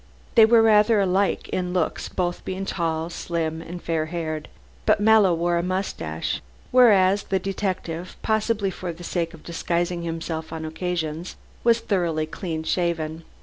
They were rather like in looks, both being tall, slim and fair haired. But Mallow wore a mustache, whereas the detective, possibly for the sake of disguising himself on occasions, was clean shaven.